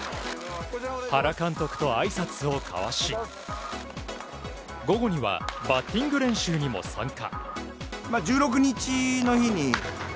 原監督とあいさつを交わし午後にはバッティング練習にも参加。